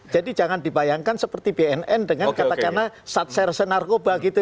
jadi jangan dibayangkan seperti bnn dengan katakanlah satser sensi narkoba gitu